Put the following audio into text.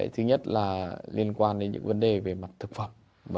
thứ nhất là liên quan đến những vấn đề về mặt thực phẩm